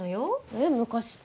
えっ昔って？